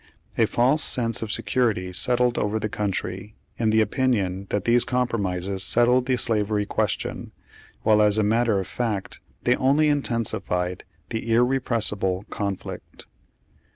A false sense of security settled over the country, in the opinion that these compromises settled the slavery question, while as a matter of fact they only intensified the "irrepressible con flict."